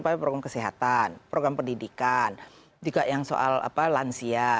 program kesehatan program pendidikan juga yang soal lansia